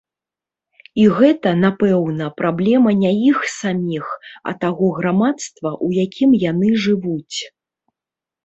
І гэта, напэўна, праблема не іх саміх, а таго грамадства, у якім яны жывуць.